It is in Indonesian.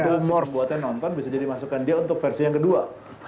sebenarnya sebuah pembuatan nonton bisa jadi masukan dia untuk versi yang kedua